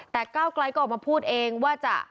แต่ก้าวไกลก็ออกมาพูดเองว่าจะ